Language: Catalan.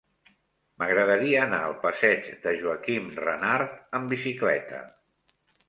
M'agradaria anar al passeig de Joaquim Renart amb bicicleta.